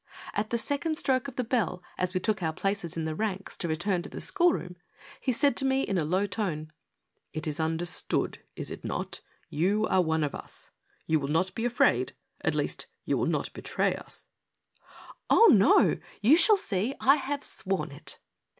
At the second stroke of the bell, as we took our places in the ranks to return to the school room, he said to me, in a low tone :" It is understood, is it not, you are one of us ? You will not be afraid, at least you will not betray us ?"" Oh ! no ; you shall see. I have sworn it."